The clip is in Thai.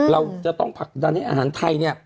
เราจะต้องผลักดันให้อาหารไทยเนี่ย